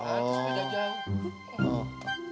harus beda jauh